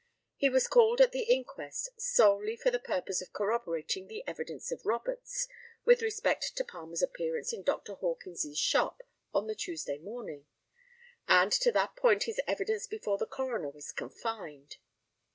He was called at the inquest solely for the purpose of corroborating the evidence of Roberts with respect to Palmer's appearance in Dr. Hawkins's shop on the Tuesday morning; and to that point his evidence before the coroner was confined.